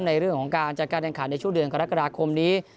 ในเรื่องของการจัดการแข่งขันในช่วงเดือนกรกฎาคมนี้